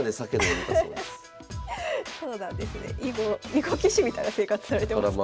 囲碁棋士みたいな生活されてますね。